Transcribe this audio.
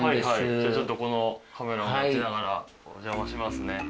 じゃあちょっとこのカメラを持ちながらお邪魔しますね。